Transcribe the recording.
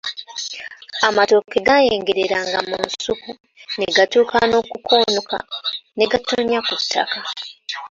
Amatooke gayengereranga mu nsuku, ne gatuuka n'okukoonoka ne gatonnya ku ttaka.